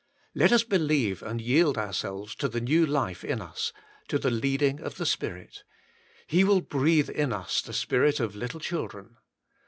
Let us believe and yield ourselves to the new life in us, to the leading of the Spirit ; He will breathe in us the spirit of little children.